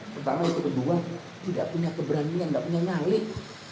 pertama itu kedua tidak punya keberanian tidak punya nyalik